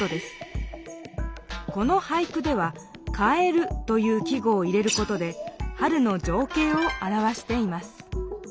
この俳句では「蛙」という季語を入れることで春のじょうけいをあらわしています。